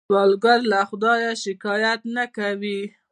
سوالګر له خدایه شکايت نه کوي